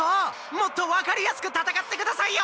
もっと分かりやすくたたかってくださいよ！